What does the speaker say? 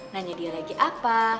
nanya dia lagi apa